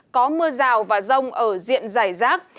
có mưa rào và rông ở diện dài rác